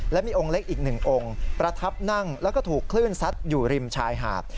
และมีองค์เล็กอีกหนึ่งองค์ประทับนั่งแล้วก็ถูกคลื่นซัดอยู่ริมชายหาด